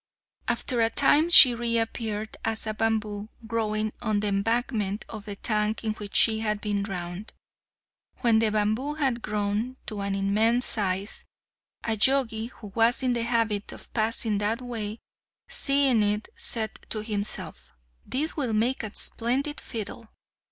After a time she re appeared as a bamboo growing on the embankment of the tank in which she had been drowned. When the bamboo had grown to an immense size, a Jogi, who was in the habit of passing that way, seeing it, said to himself, "This will make a splendid fiddle."